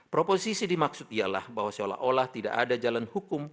proposisi dimaksud ialah bahwa seolah olah tidak ada jalan hukum